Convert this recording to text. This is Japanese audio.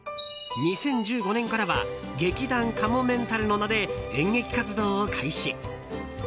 ２０１５年からは劇団かもめんたるの名で演劇活動を開始。